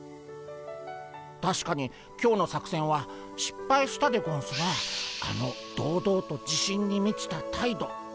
たしかに今日の作戦はしっぱいしたでゴンスがあの堂々と自信にみちた態度。